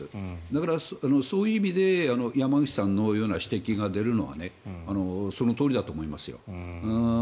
だから、そういう意味で山口さんのような指摘が出るのはそのとおりだと思いますよ。